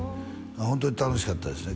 ホントに楽しかったですね